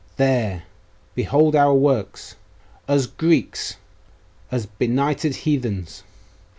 'There! Behold our works! Us Greeks! us benighted heathens!